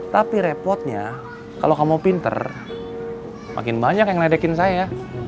tapi repotnya kalau kamu pinter makin banyak yang nedekin saya